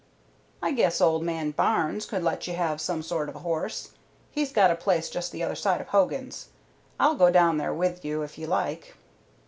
"I guess old man Barnes could let you have some sort of a horse. He's got a place just the other side of Hogan's. I'll go down there with you if you like."